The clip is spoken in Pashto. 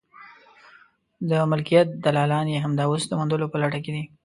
د ملکیت دلالان یې همدا اوس د موندلو په لټه کې دي.